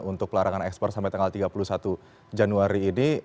untuk larangan ekspor sampai tanggal tiga puluh satu januari ini